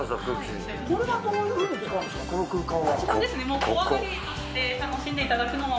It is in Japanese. これは、どういうふうに使うんですか、この空間は。